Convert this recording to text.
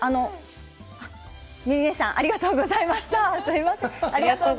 みねさん、ありがとうございました。